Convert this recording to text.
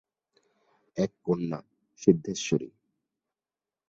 এক কন্যা, সিদ্ধেশ্বরী।